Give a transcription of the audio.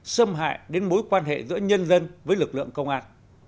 xâm hại đến mối quan hệ giữa nhân dân với lực lượng công an